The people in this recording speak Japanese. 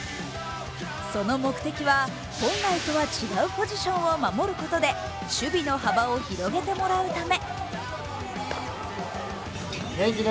その目的は本来とは違うポジションを守ることで守備の幅を広げてもらうため。